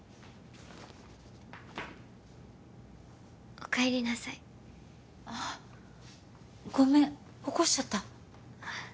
おかえりなさいあっごめん起こしちゃった？